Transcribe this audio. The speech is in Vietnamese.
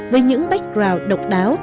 với những background độc đáo